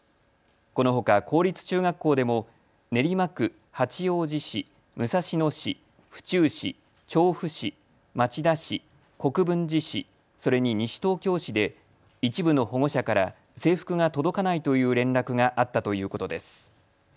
このほか公立中学校でも、練馬区、八王子市、武蔵野市、府中市、調布市、町田市、国分寺市、それに西東京市で一部の保護者から制服が届かないという連絡があったということです。